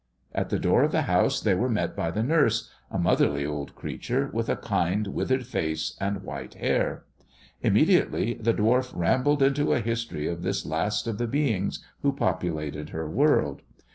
At the door of H house they were met by the nurse, a motherly old creatur with a kind, withered face, and white hair. Immediate! the dwarf rambled into a history of this last of the bein^ who populated her world.